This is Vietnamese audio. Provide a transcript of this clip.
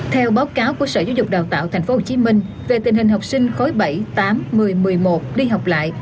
theo báo cáo của sở giáo dục đào tạo tp hcm về tình hình học sinh khối bảy tám một mươi một mươi một đi học lại